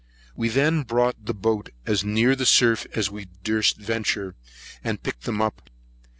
We then brought the boat as near the surf as we durst venture, and picked them up.